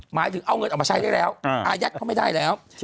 หมายถึงเอาเงินออกมาใช้ได้แล้วอายัดเขาไม่ได้แล้ว